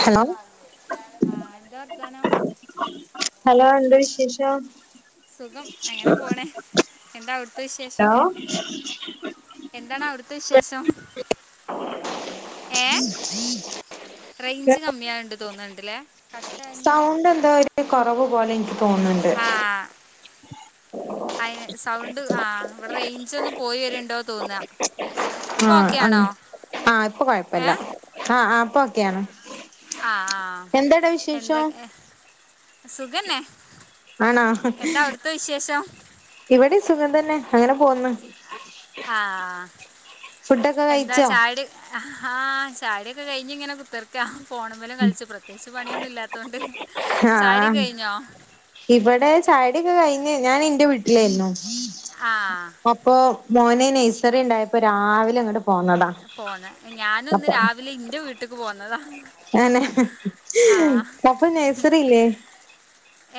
Hello ആഹ് എന്താ വർത്താനം? ഹലോ എന്താ വിശേഷം? സുഖം അങ്ങനെ പോണ് എന്താവ് ടു ത്തെവിശേഷം ഹലോ എന്താണ് അവിടുത്തെ വിശേഷം? [inaudible] റേയ്ഞ്ച് കമ്മി ആണ്ട് തോന്നുന്നുണ്ടില്ലേ കട്ടായി ങ്ങനെ അതായ കുറവ് പോലെ എനിക്ക് തോന്നുന്ണ്ട് അയിന് സൗണ്ട് ആ ഇവിടെ റേഞ്ച് ഒന്ന് പോയി വരുണ്ടോ തോന്നാ? ആഹ് ആ ആ ഇപ്പൊ ഏ കൊഴപ്പല്ല ആഹ് ഇപ്പൊക്കെയാണ്. ആഹ് ആഹ് എന്തൊ? സുഖന്നെ ആണോ എന്താ അവിടുത്തെ വിശേഷം? ഇവിടെ സുഖം തന്നെ അങ്ങനെ പോന്ന് ആഹഹ് ഫുഡൊക്കെ എന്താ കഴിച്ചോ ചായുടി. ആഹ് ചായുടിയൊക്കെ കഴിഞ്ഞ് ഇങ്ങനെ കുത്തർക് ഫോണ മലും കളിച്ച് പ്രത്യേകിച്ച് പണിയൊന്നും ഇല്ലാത്തോണ്ട് ചായുടി ആഹ് ഒകെ കഴിഞ്ഞോ? ഇവിടെ ചായുടിയൊക്കെ കഴിഞ്ഞ് ഞാൻ ന്റെ വീട്ടിലായിരുന്നു ആ അപ്പൊ മോന് നൈസറി ഇണ്ടായപ്പോ രാവിലെ ഇങ്ങട്ട് പോന്ന ദാ. പോന്ന ഞാനുന്ന് രാവിലെ ഇന്റെ വീട്ടിക്ക് പോന്നതാ. അനെ ആ അപ്പ നഴ്സറില്ലേ?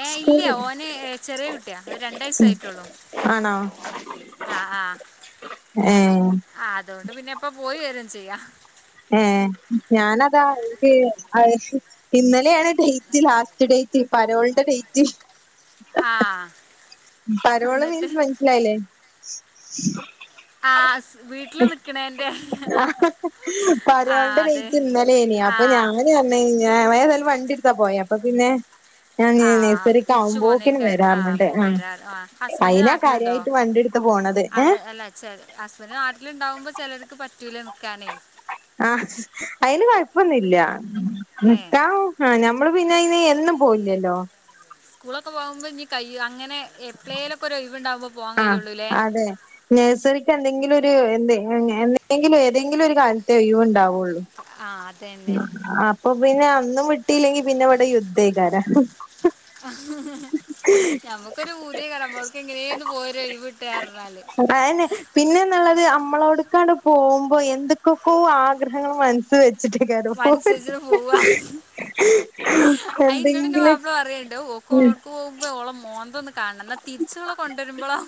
ഏ ഇല്ല സ്കൂൾ ഓനെ ചെറിയ കുട്ടിയ ഒരു രണ്ട് വയസായിട്ടോള്ളു. ആണോ ആ ആ ഏഹ് ആഹ് അതുകൊണ്ട് പിന്നെ എപ്പ പോയി വരും ചെയ്യാം. ഏഹ് ഞാനതാ ഇൻക്ക് അ ഇന്നലെയാണ് ഡേറ്റ് ലാസ്റ്റ് ഡേറ്റ് പരോളിടെ ഡേറ്റ് ആഹ് പരോള് മീൻസ് മനസിലായില്ലേ ആഹ് വീട്ടില് നിക്കണ എറെ ആഹ് പറോൾണ്ടെ ഡേറ്റ് ഇന്നലെനി ആ അപ്പൊ ഞാൻ [unintelligible] ഏതായാലും വണ്ടി എടുത്താ പോയ അപ്പൊ പിന്നെ ഞാൻ ആ നയ്സറിക്ക ആവുമ്പോക്കിനും വരാർഞാണ്ട് ആ ആഹ് അയിനാ കാര്യയിട്ട് വണ്ടെടുത്ത് പോണത് ഏഹ് ഹസ്ബന്ഡ് നാട്ടിലുണ്ടാവുമ്പോ ചിലർക്ക് പറ്റൂല നിക്കാനേ ആഹ് അയിന് കൊഴപ്പൊന്നുല്ല ഏ നിക്ക ആഹ് നമ്മള് പിന്നെ അയിന് എന്നും പോയില്ലല്ലോ സ്കൂളൊക്കെ പോകുമ്പോ ഇനി കൈ അങ്ങനെ എപ് ളെലൊക്കെ ഒരു ഇവണ്ടകുമ്പോ ആഹ് അതെ നഴ്സറിക്ക് എന്തെങ്കിലും ഒരു എ എന്തെങ്കിലും ഏതെങ്കിലും ഒരു കാലത്തെ ഒഴിവ് ഉണ്ടാവുള്ളൂ ആഹ് അത അപ്പൊ പിന്നെ അന്നും വിട്ടില്ലെങ്കി പിന്നെ ഇവിടെ യുദ്ധക്കാര ഞമ്മുക്കൊരു ഊതിയ കലമ്പ അവർക്ക് എങ്ങനെയന്ന് പോരോ ഒഴിവിട്ടറഞ്ഞാല് ആന്നെ പിന്നെെന്നുള്ളത് നമ്മളോടുക്കാണ്ട് പോകുമ്പോ എന്തൊക്കൊക്കോ ആഗ്രഹങ്ങൾ മനസ് വെച് ട്ടാര മനസ്സരിച്ചിട്ട് പോവുക എന്തെങ്കിലും കു കൊഴ പോക്പള മോന്താ കാണുന്ന തിരിച് ഓള കൊണ്ടുരുമ്പോളോ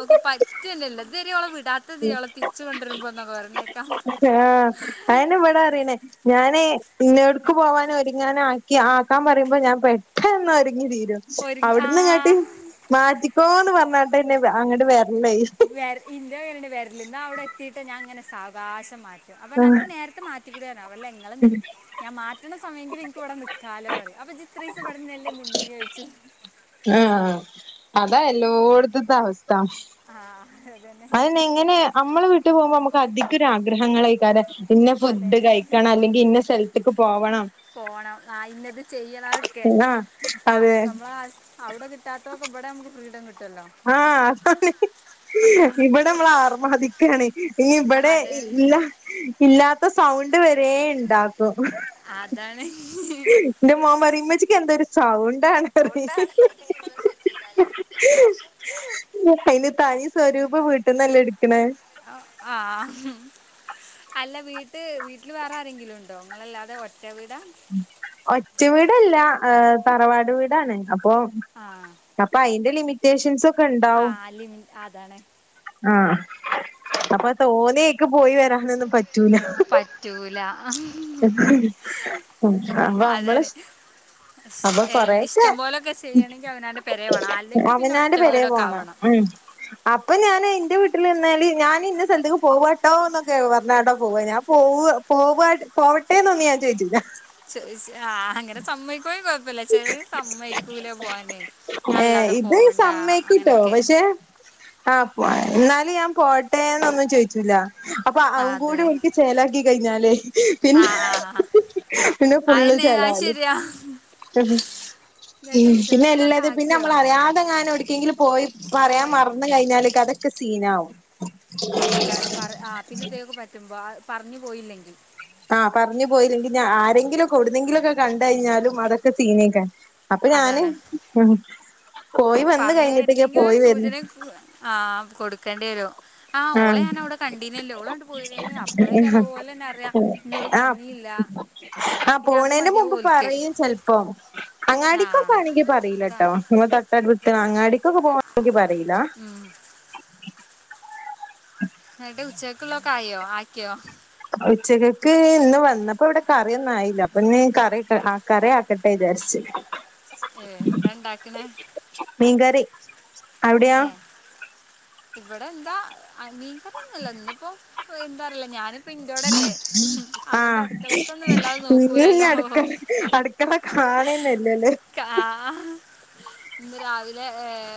ഓക്ക് പറ്റന്നല്ല ഇതരെ ഓളെ വിടാ തിയാളെ തിച്ച് കൊണ്ടിരുമ്പോ എന്ന പ്രണേക്കാം ആഹ് അയിനെവടാറിനെ ഞാന് ഇന്ന എടുക്ക് പോവാനും ഒരുങ്ങാന ആക്കി ആക്കാൻ പറയുമ്പോ ഞാൻ പെട്ടെന്ന് ഒരുങ്ങി തീരും ഒരു ആ അവിടന്ന്ങ്ങാട്ട് മാറ്റിക്കോന്ന് പറഞ്ഞാട്ടന്നെ അങ്ങോട്ട് വരല്ലേ വ ഇന്ത്യ വരി വരലന്നോ അവിടെ എത്തിട്ട് ഞാൻ ഇങ്ങനെ സവകാശം മാറ്റും അപ്പൊ നനക്ക് നേരത്തെ മാറ്റ അവല്ല ഞാൻ മാറ്റണ സമയെങ്കിലിൽ നിനക്ക് ഇവിടെ നിക്ക കാലോ [unintelligible] അപ്പ ഇജ്ജ് ഇത്ര ദിവസം ഇവടഞ്ഞല്ലേ നിന്നേ ചോദിച്ചു ആഹ് അതാ എല്ലോടുത്തത്തെ അവസ്ഥ ആഹ് അതന്നെ അങ്ങനെ നമ്മള് വിട്ട് പോകുമ്പോ നമുക്ക് അധികം ആഗ്രഹങ്ങള [unintelligible] പിന്നെ ഫുഡ് അതന്നെ കഴിക്കണം അല്ലെങ്കിൽ ഇന്ന സ്ഥലത്തേക്ക് പോകണം പോണം ആഹ് ഇന്നത് ചെയ്യണംക്കെ ആഹ് അതെ ആഹ് നമ്മള അവിടെ കിട്ടാത്തതക്കെ ഇവിടെ നമക്ക് ഫ്രീഡം കിട്ടുമല്ലോ ആഹ് [unintelligible] ഇവിടെ നമ്മള് ആർമാതിക്കാണ് ഇനി ഇവിടെ അതെ ഇല്ല ഇല്ലാത്ത സൗണ്ട് വരെ ഉണ്ടാക്കും അതാണ് [unintelligible] [unintelligible] എൻ്റെ മോൻ പറീം ഇമ്മച്ചികന്തെരു സൗണ്ടാണ് പറിയും [unintelligible] തനി സ്വരൂപം വീട്ടന്നല്ലേ എടുക്കണേ ആഹ് ആഹ് അല്ല വീട്ട വീട്ടിൽ വേറെ ആരെങ്കിലും ഉണ്ടോ അങ്ങളല്ലാതെ ഒറ്റ വീടാ ഒറ്റ വീടല്ല ഏഹ് തറവാട് വീടാണ് അപ്പൊ ആഹ് അപ്പൊ അയിന്റെ ലിമിറ്റേഷൻസ് ഒക്കെ ഉണ്ടാവും ലിമി അതാണ് ആഹ് അപ്പൊ തോന്നേക്ക് പോയി വരാനൊന്നും പറ്റൂല പറ്റൂല [unintelligible] [unintelligible] അപ്പ നമ്മള് അതാണ് ശ്- അപ്പൊ എന്ത് കൊറേക്കെ ഇഷ്ടം പോലൊക്കെ ചെയ്യണമെങ്കിൽ അവനാണ്ട് പെരേ വേണം അല്ലെങ്കിൽ പിന്നെ ഒറ്റ അവനോൻ്റെ പെരേ വീടൊക്കെ പോണം ആവണം ഉം അപ്പ ഞാന് ഇന്റെ വീട്ടില്ന്നാല് ഞാന് ഇന്ന സ്ഥലത്ത്ക്ക് പോവാട്ടോ എന്നൊക്കെ പറഞ്ഞാണ്ടാ പോവ ഞാ പോവ്വ് പോവാട് പോവട്ടെന്നൊന്നും ഞാൻ ചോദിച്ചില്ല. പൊയ്ച്ച് ആഹ് അങ്ങനെ സമ്മയ്ക്കെങ്കി കൊയ്പ്പില്ല പ്പല്ല ചെലേര്സമ്മയ്ക്കൂല പോവാന് ഏ ഞാല്ലാതെ ഇത് പോവണ്ട അങ്ങനെയൊക്കെ. ആഹ് പോയാല് എന്നാലും ഞാപോട്ടെ ന്നൊന്നും ചോയ്ച്ചൂല അപ്പ ആ, ഔംകൂടി ഓൽക്ക് ചേലാക്കി. കഴിഞ്ഞാലെ [unintelligible] ആഹ് ആഹ് ആഹ് അയെന്നെ അയ് ശെരിയാ [unintelligible] [unintelligible] എത് പിന്നെല്ലെത് ആക്കിയോ പിന്നള് അറിയാതെങ്ങാനേ ഓട്ക്കെങ്കിലും പോയ്. പറയാൻ പോയാ മറന്ന് കഴിഞ്ഞാല് കതൊക്കെ സീനാവും. അതാ പറ ആഹ് പിന്നെതേക്ക് പറ്റുമ്പോ പറഞ്ഞുപോയില്ലെങ്കിൽ. ആഹ് പറഞ്ഞു പോയില്ലെങ്കിൽ ഞാ ആരെങ്കിലെക്കെ എവിട്ന്നെങ്കിലെക്കെ കണ്ടെയിഞ്ഞാലും അതൊക്കെ സീനെയ്ക്കാരം. അപ്പ ഞാന് അതാണ് ഉം പോയി വന്ന് കഴിഞ്ഞിട്ടില്ല പോയി വെര് ആഹ് കൊടുക്കെണ്ടേരും. ആഹ് ഓളെ ഞാനവിടെ കണ്ടീന്നല്ലോ ഓളാണ്ട് പോയിന്നേ അപ്പളെയ്കാരം ഓലന്നെറിയാ ഇന്നോട് ആഹ് പറഞ്ഞീല്ല. ആഹ് പോവ്ണേന്റ് മുമ്പ് പറയും ചെൽപ്പം. ആ അങ്ങാടിക്കൊക്കെ ആണെങ്കി പറീലട്ടോ അതാണ് ഇങ്ങളെ തെട്ടട് വിട്ട് അങ്ങാടിക്കൊക്കെ പോകാണെങ്കിൽ പറീല. ഉം. [unintelligible] എന്നട്ട് ഉച്ചെക്ക്ള്ളതെക്കെ ആയോ ആക്കിയോ? ഉച്ചെകെക്ക് ഇന്ന് വന്നപ്പോ ഇവ്ടെ കറിയെന്നിയില്ല അപ്പൊ ഞി കറിയെക്കെ കറി ആ കട്ടെ വിജാരിച്ച്. ഏഹ് എന്താ ഇണ്ടാക്ക്ണെ. മീൻ കറി. ഏ ഇവിടെ എന്താ [unintelligible] ഇന്ന് ഇപ്പോ എന്താ അറിയില്ല ഞൻ പ്പിൻ്റേടല്ലെ അതേണ്ട് ആഹ് അടുക്കളെക്കൊന്നും വല്ലാതെ ഇന്ന് ഇനി നോക്കൂലല്ലോ. അടുക്കള അടുക്കള കാണന്നല്ല ല്ലേ.., ക്കാഹ്.. ഇന്ന് രാവിലെ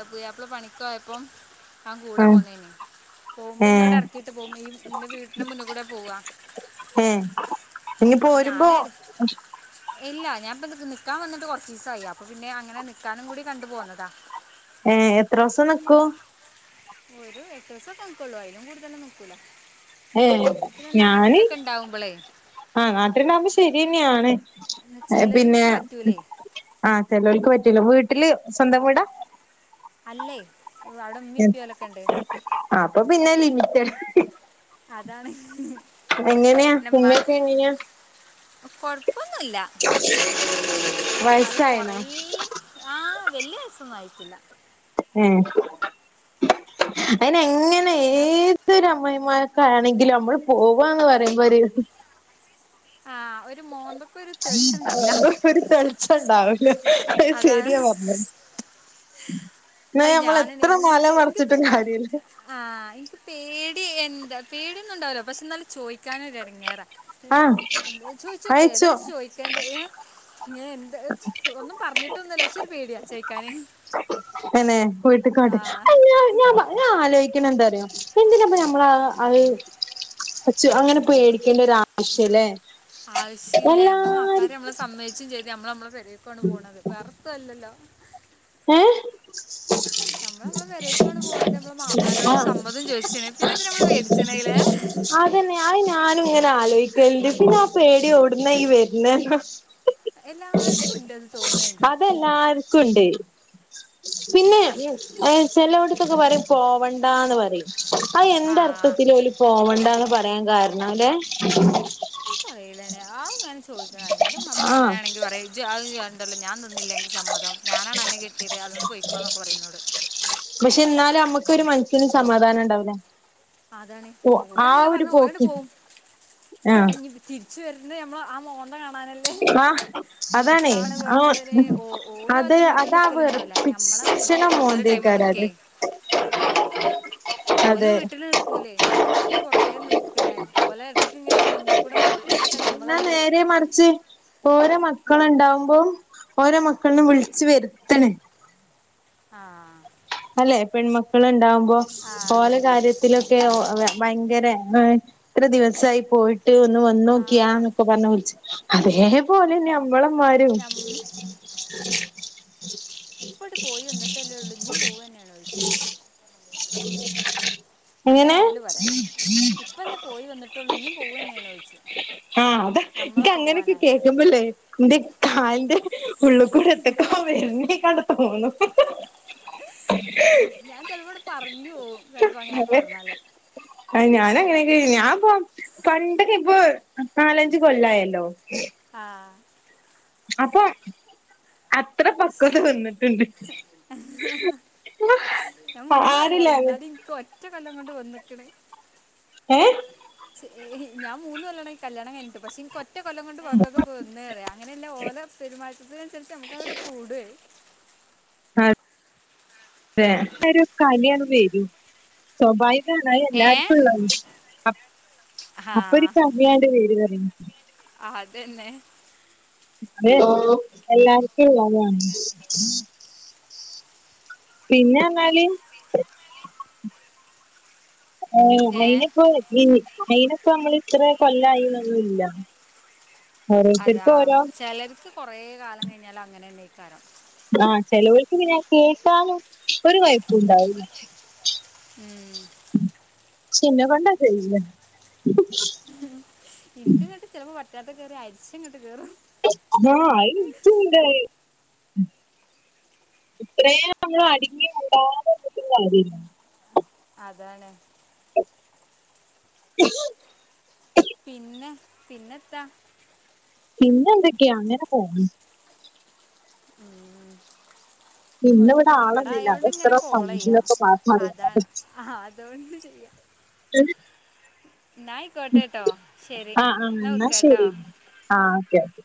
പുയാപ്ള പണിക്കോയപ്പേ. ആ കൂടെ ആഹ് പോന്നെയ്ന് പോവുമ്പോ ന്നവിടെ ഏഹ് എറക്കീട്ട് പേവും ഈ ൻ്റെ വീട്ടിൻ്റെ മുന്ന്ക്കൂടെ പോവാ. ഏ അപ്പ ഞാനെട് ഇല്ല ഞാപ്പ നിക്കാംവന്നിട്ട് കെർച്ചീ സായി അപ്പൊ പിന്നെ അങ്ങനെ നിക്കാനും കൂടി കണ്ട് പേന്നതാ. ഏ എത്രൂസം നിക്കും. ഒരു എട്ടൂസൊക്കെ നിക്കെള്ളൂ അയിലും കൂടുതലെന്നും നി ക്കൂല. ഏ ഞാന് ആ നാട്ടില്ണ്ടാകുമ്പോ ശെരിന്നെയാണ്. അയ് പിന്നെ ചിലർക്ക് പറ്റൂലേ ആഹ് ചെലേൽക്ക് പറ്റൂല. വീട്ടില് സ്വന്തം വീടാ. അല്ലെ.. അവ്ടെ ഇമ്മിപ്പിം ഓലൊക്കെണ്ട്. അപ്പ പിന്നെ, ലിമിറ്റഡ് ഹ്... അതാണ് ഹ്.. ഹ്... എങ്ങനെയാ ഉമ്മ ക്കെ എങ്ങെനെയാ. കൊഴ്പ്പൊന്നുല്ല എന്നാലും വയസ്സായിണോ കൊറെ ആ വലൃ വയസൊന്നും ആയിട്ടില്ല. ഏ അയിന് എങ്ങെനെ എന്നാ ഏത് തെരമ്മായ് മാര്കാണെങ്കിലും നമ്മള് പോവാന്ന് പറിമ്പോരു ആഹ് ഒര് മോന്തൊക്കെ ഒര് തെളിച്ചണ്ടാവൂല ഒരു തെളിച്ചം ഉണ്ടാവൂല അത് അതാണ്. ശരിയാ പറഞ്ഞത് ഹ് എന്നാ അയ് നമ്മള് ഞാനെന്നെ എത്ര മാല ൻക്ക് ൻക്പ്പെ. മറിച്ചിട്ടും കാര്യല്ല ആഹ് ൻക്ക് പേടി എന്ത പേടിയൊന്നും ണ്ടാവൂല. പക്ഷെ ന്നാലും ചോയ് ക്കാനെര് എടങ്ങേറ ആഹ് ചോയ്ച്ചോക്ക് അയച്ചോ ഏതാലും ജി ചോയ്ക്കണ്ടേ ഏ ങ്ങനെ ഒന്നും പറഞ്ഞിട്ടൊന്നെല്ല പക്ഷെ ഒരു പേടിയാ ചേയ്ക്കാന്. തന്നെ വീട്ട്ക്കാട്ട് അയ് ഞാ ഞാ പ ഞാ ആലോയ്ക്ക്‌ണന്താറിയോ എന്തിനാപ്പം ഞമ്മളഹ് അഹ് ചോ അങ്ങനെ പേടിക്കേണ്ട ഒരാവശ്യ ലെ ആവ്ശീല്ല ഞമ്മള മാപ്പ്ളാര് ഞമ്മളെ സമ്മയ്ച്ചും ചെയ്ത് മ്മള് മ്മളെ പെരേക്കുവാണ് പോണത് വേറെത്തുവല്ലല്ലോ [inaudible] ഞമ്മള് മ്മളെ പെരെക്കുവാണ് പോണത് നമ്മളെ മാപ്പ്ളാരോട് ആ സമ്മതും ചോയ്ച്ച് ണ് പിന്നെത്ത്നാ മ്മള് പേടിച്ച്ണ് ലെ അതന്നെ ആ ഞാനും ഇങ്ങനെ ആലോയ്ക്കല്ണ്ട് പിന്നെ ആ പേടി ഒട്ന്ന ഈ വരുന്നെ ന്ന എല്ലാര്ക്കുണ്ട്ന്ന് തോന്ന്ണ്ട് എല്ലാർക്കുണ്ട് പിന്നെ ഈ ഏ ചെലോട്ത്തൊക്കെ പറിം പോവണ്ടാന്ന് പറിം. അഹ് ആ യെന്തർത്ഥത്തില ഓല് പോവണ്ടാന്ന് പറയാൻ കാരണാവലെ ന്ക്കറീലണ്ണി ആവു ഞാന് ചോയ്ച്ചാ ന്റെ മാപ്പ്ള ആ അങ്ങനാണെങ്കി പറി ജഹ് അണ്ടല്ല ഞാൻ തന്നില്ലേ അൻക്ക് സമ്മതം ഞാനാണ് അന്നെ കെട്ടിയത് അതുകൊണ്ട് പൊയിക്കോ ന്നൊക്കെ പറിം ന്നോട് പക്ഷെ ന്നാലും മ്മക്കൊരു മൻസിന് സമാധാനണ്ടാവൂല അതാണേ ഓലങ്ങനെ പറ്ഞ് ഓലണ്ട് പോക്കി പോവും. പിന്നെ ആഹ് ഇഞ് പി തിരിച്ച് വര്ണെ മ്മള് ആ മോന്ത കാണാനൽ ആഹ് അതാണേ ആ ഒ പഠിച്ചവരെ ഓ ഓല ഓല അത് വീട്ടിൽ അതാ നിൽക്കലുണ്ടാവില്ല വെറ്പ്പി നമ്മളെ ച്ച് വീട്ടിൽ ന കൂടുതൽ ടൈം മോന്തകാരത് നിൽക്കേ ഓല് വീട്ടില് നിക്കൂലേ ഞമ്മള് വീട്ടില് കൊറേ നിക്ക്‌ണേ ഓലെ എട്ക്ക്‌ങ്ങനെ മുന്ന് കൂടെ നട് ന്നാ നേരെ മറിച്ച് ഓരെ മക്കള്ണ്ടാവുമ്പം ഓരെ മക്കള് നെ വിളിച്ച് വര്ത്ത്ണ് ആഹ് അല്ലെ പെൺമക്കള് ണ്ടാവുമ്പോ ആഹ് ഓലെ അതന്നെ കാര്യ ത്തിലൊക്കെ ഒ അ ഭയങ്കര എത്ര ദിവസായി പോയി ട്ട് ഒന്ന് വന്നോക്കിയാ ആഹ് ന്നൊക്കെ പറ്ഞ് വിള് ച്ച്. അതേപോലെന്നെ മ്മളെമ്മാരും ഞം ഇപ്പട് പോയി വന്നിട്ടല്ലേ ഉള്ളൂ ഇഞ്ഞും ട്ട പോവന്നെയാണോ ചോയിച്ച് [inaudible] അങ്ങനെ എങ്ങനെ ഓല് പറിയാ. ഇപ്പല്ലെ പോയി വന്ന്ട്ടൊള്ളൂ ഇഞ്ഞും പോവന്നേണോയ്ച്ചും ആഹ് അതെ ഇൻക്കങ്ങനൊക്കെ കേക്കുമ്പല്ലേ ന്റെ കാലിന്റെ ഉള്ള് കൂടെ എത്തക്കോ വര്നെയ്ക്കാണ്ട് തോന്നും ഇൻ ഞാൻ ചെല്പട്ട് പറഞ്ഞ് പോവും ചെല്പ്പം അങ്ങനൊക്കെ പർഞ്ഞാല് അയ് ഞാനങ്ങനെങ്കി ഞാം പോം പണ്ടൊക്കെ ഇബോൾ നാലഞ്ച് കൊല്ലായല്ലോ ആഹ് അപ്പോം അത്ര പക്വത വന്നിട്ട്ണ്ട് പ്പ ഞാം മൂന്ന് കൊല്ലായി ഇന്നാലും ഇൻക്ക് ഒറ്റ കൊല്ലം കൊണ്ട് വന്ന്ക്ക്‌ണ് ഏഹ് ച് ഏഹ് ഞാം മൂന്ന് കൊല്ലണെ കല്ല്യാണം കയിഞ്ഞിട്ട് പഷെ ന്കൊ ഒറ്റ കൊല്ലം കൊണ്ട് വക്കൊതൊക്കെ വന്നേറിയ. അങ്ങനെല്ല ഓല പെരുമാറ്റത്തിനനുസര്ച്ച് ഞമ്മക്കങ്ങട്ട് കൂടെ അഹ് തെ വരൂ കലിയാണ്ട് വരും സ്വഭായി അതാണ് ഏ അയെല്ലാർക്കുംള്ള അപ് ആ അപ്പൊര് കലിയാണ്ട് വരുവ റിം ആഹ് അതന്നെ അതെല്ലോ എല്ലാർക്കുള്ളതാണ് പിന്നെറ്ഞ്ഞാല് ഏ അയിനിപ്പോ ഈ അയിന്പ്പോ മ്മൾ ഇത്ര കൊല്ലായിന്നൊന്നുല്ല അതാ ഓരോരുത്തർക്കും ഓരോ ചെലർക്ക് കൊറെേ കാലം കഴിഞ്ഞാലങ്ങനെന്നേക്കാരം ആഹ് ചെലോൽക്ക് പിന്നെ കേട്ടാലും ഒരു കൊയ്പുണ്ടാവൂല മ് ചിന്നെ കൊണ്ടാ ചെയ്യിക്കല് എനിക്ക് ഇങ്ങിട്ട് ചെലപ്പോ പറ്റാത്ത കേറി അരിച്ച് ഇങ്ങോട്ട് കേറും ആഹ് അതിൻക്കുണ്ടത് ഇത്രേ നമ്മള് അടങ്ങി മിണ്ടാതെ നിന്നിട്ട് കാര്യല്ല അതാണ് [inaudible] പിന്നെ പിന്നെത്താ പിന്നെ എന്തൊക്കെയാ അങ്ങനെ പോണ് ഉം ഇന്ന് ഒരു ഇവിടെ ആളൊന്നുല്ല ആയൊണ്ട് അതെത്ര ഇങ്ങനെ കോൾ ചെയ്യാ സൗണ്ടിലൊക്കെ പാട്ടാ അറിയോ അതാണ് ആഹ് അതുകൊണ്ട് ചെയ്യാ [unintelligible] ന്നായിക്കോട്ടെട്ടോ ശരി ആഹ് ആഹ് എന്നാ വെക്കാട്ടോ ശരി ആഹ് ഓക്കെ ഓക്കെ